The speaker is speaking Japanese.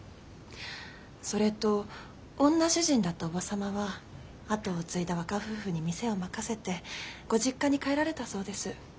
それと女主人だったおば様は後を継いだ若夫婦に店を任せてご実家に帰られたそうです。